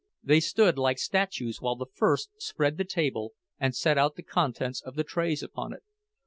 They stood like statues while the first spread the table and set out the contents of the trays upon it.